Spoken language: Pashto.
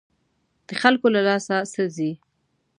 د خلکو له لاسه څه ځي.